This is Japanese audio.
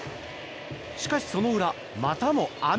しかし、その裏またも雨。